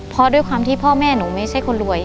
เพราะด้วยความที่พ่อแม่หนูไม่ใช่คนรวย